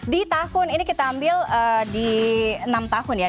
di tahun ini kita ambil di enam tahun ya